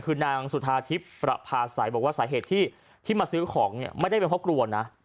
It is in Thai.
คือนางสุธาทิพย์ประพาสัยบอกว่าสาเหตุที่มาซื้อของเนี่ยไม่ได้เป็นเพราะกลัวนะ